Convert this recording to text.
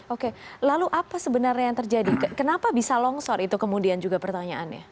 oke lalu apa sebenarnya yang terjadi kenapa bisa longsor itu kemudian juga pertanyaannya